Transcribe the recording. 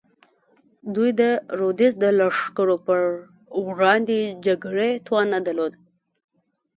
دوی د رودز د لښکرو پر وړاندې جګړې توان نه درلود.